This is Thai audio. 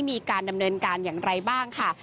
มีการดำเนินการอย่างไรบ้างค่ะ